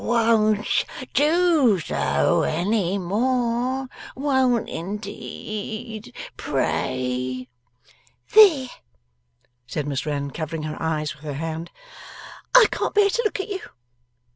'Won't do so any more. Won't indeed. Pray!' 'There!' said Miss Wren, covering her eyes with her hand. 'I can't bear to look at you.